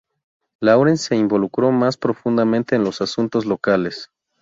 Lawrence se involucró más profundamente en los asuntos locales.